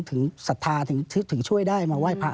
ศรัทธาถึงช่วยได้มาไหว้พระ